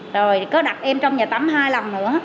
rồi có đặt em trong nhà tắm hai lần nữa